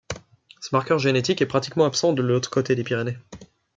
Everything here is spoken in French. Ce marqueur génétique est pratiquement absent de l’autre côté des Pyrénées.